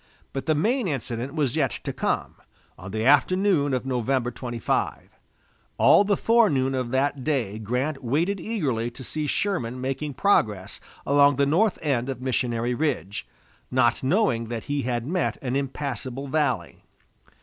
But the main incident was yet to come, on the afternoon of November 25. All the forenoon of that day Grant waited eagerly to see Sherman making progress along the north end of Missionary Ridge, not knowing that he had met an impassable valley.